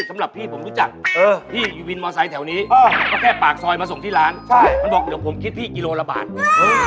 สำหรับพี่ผมรู้จักเออพี่อยู่วินมอไซค์แถวนี้ก็แค่ปากซอยมาส่งที่ร้านใช่มันบอกเดี๋ยวผมคิดพี่กิโลละบาทเออ